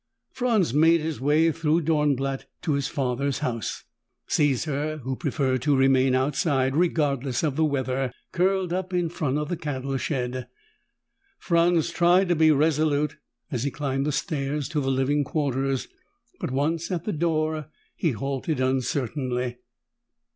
Franz made his way through Dornblatt to his father's house. Caesar, who preferred to remain outside, regardless of the weather, curled up in front of the cattle shed. Franz tried to be resolute as he climbed the stairs to the living quarters, but, once at the door, he halted uncertainly.